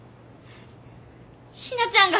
ひなちゃんが。